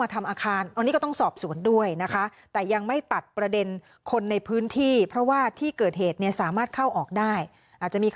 แท้งน้ำใหญ่คือว่าหัวก็ขา